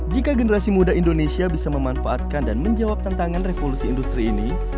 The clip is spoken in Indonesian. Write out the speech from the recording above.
jika generasi muda indonesia bisa memanfaatkan dan menjawab tantangan revolusi industri ini